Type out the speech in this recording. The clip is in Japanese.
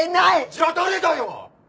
じゃあ誰だよ！？